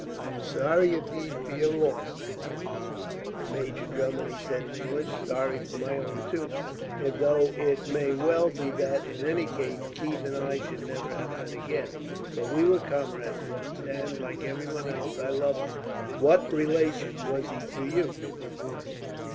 "I am sorry indeed for your loss, Major Drummond," he said in English. "Sorry for my own, too; though it may well be that, in any case, Keith and I should never have met again. But we were comrades once and, like everyone else, I loved him. What relation was he to you?"